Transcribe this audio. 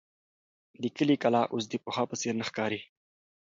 د کلي کلا اوس د پخوا په څېر نه ښکاري.